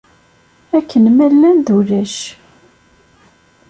Akken ma llan, d ulac.